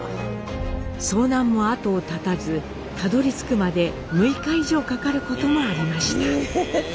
遭難も後を絶たずたどりつくまで６日以上かかることもありました。